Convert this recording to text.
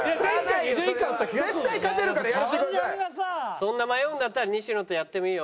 そんな迷うんだったら西野とやってもいいよ。